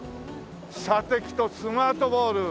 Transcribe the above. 射的とスマートボール。